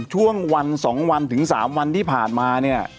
ช่วงวันสองวันถึงสามวันที่ผ่านมา